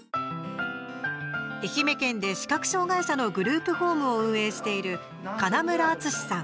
愛媛県で視覚障害者のグループホームを運営している金村厚司さん。